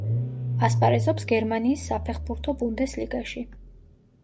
ასპარეზობს გერმანიის საფეხბურთო ბუნდესლიგაში.